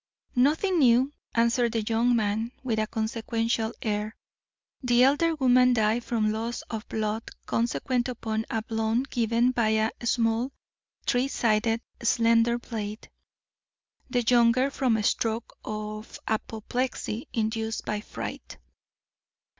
"Nothing new," answered the young man, with a consequential air. "The elder woman died from loss of blood consequent upon a blow given by a small, three sided, slender blade; the younger from a stroke of apoplexy, induced by fright."